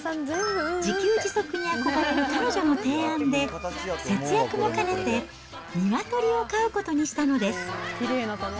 自給自足に憧れる彼女の提案で、節約も兼ねて、鶏を飼うことにしたのです。